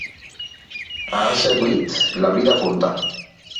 A ase guit, la brida curta.